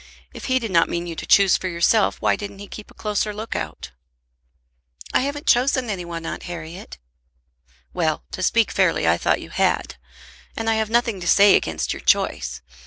If he did not mean you to choose for yourself, why didn't he keep a closer look out?" "I haven't chosen any one, Aunt Harriet." "Well; to speak fairly, I thought you had; and I have nothing to say against your choice.